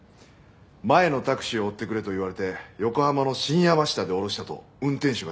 前のタクシーを追ってくれと言われて横浜の新山下で降ろしたと運転手が証言しました。